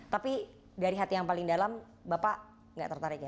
tapi dari hati yang paling dalam bapak nggak tertarik ya